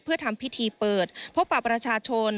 เพื่อทำพิธีเปิดพบปะประชาชน